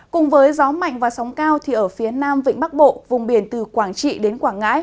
cùng với gió mạnh và sóng cao thì ở phía nam vịnh bắc bộ vùng biển từ quảng trị đến quảng ngãi